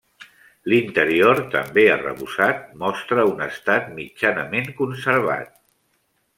L'interior, també arrebossat, mostra un estat mitjanament conservat.